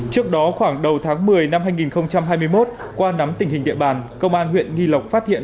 trước đó khoảng đầu tháng một mươi năm hai nghìn hai mươi một qua nắm tình hình địa bàn công an huyện nghi lộc phát hiện